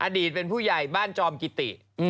อดีตเป็นผู้ใหญ่บ้านจอมกิติ